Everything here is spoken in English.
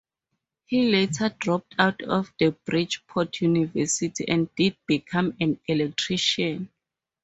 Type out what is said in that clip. He later dropped out of Bridgeport University and did become an electrician.